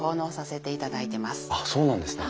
あっそうなんですね。